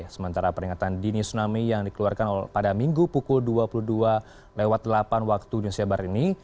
sementara peringatan dini tsunami yang dikeluarkan pada minggu pukul dua puluh dua delapan waktu indonesia barat ini